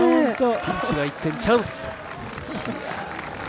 ピンチが一転、チャンス！